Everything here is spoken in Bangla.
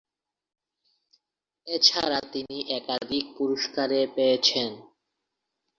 এছাড়া তিনি একাধিক পুরস্কারে পেয়েছেন।